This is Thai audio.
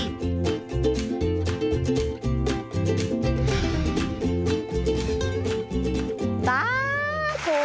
ป๊าศุ